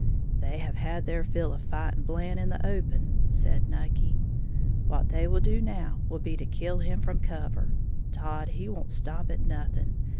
"They have had their fill of fighting Blant in the open," said Nucky; "what they will do now will be to kill him from cover. Todd he won't stop at nothing.